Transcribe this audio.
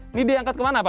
ini dia angkat ke mana pak